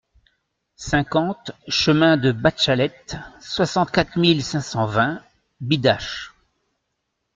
cinquante chemin de Batchalette, soixante-quatre mille cinq cent vingt Bidache